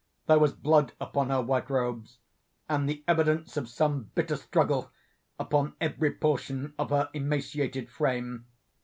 There was blood upon her white robes, and the evidence of some bitter struggle upon every portion of her emaciated frame.